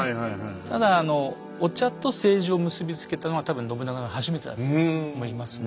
ただあのお茶と政治を結び付けたのは多分信長が初めてだと思いますね。